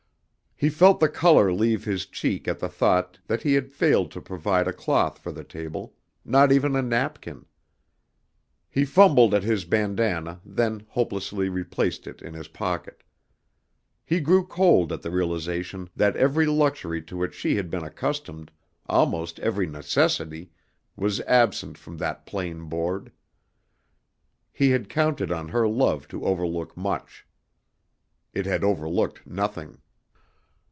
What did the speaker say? He felt the color leave his cheek at the thought that he had failed to provide a cloth for the table, not even a napkin. He fumbled at his bandana, then hopelessly replaced it in his pocket. He grew cold at the realization that every luxury to which she had been accustomed, almost every necessity, was absent from that plain board. He had counted on her love to overlook much. It had overlooked nothing.